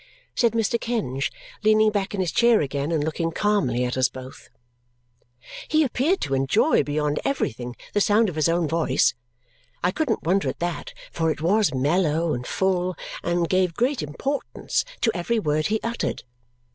said Mr. Kenge, leaning back in his chair again and looking calmly at us both. He appeared to enjoy beyond everything the sound of his own voice. I couldn't wonder at that, for it was mellow and full and gave great importance to every word he uttered.